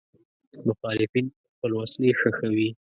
مخالفین خپل وسلې ښخوي.